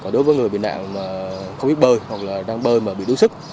đối với người bị nạn mà không biết bơi hoặc là đang bơi mà bị đuối sức